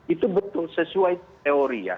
itu betul sesuai teori ya